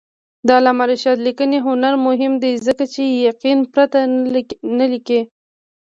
د علامه رشاد لیکنی هنر مهم دی ځکه چې یقین پرته نه لیکي.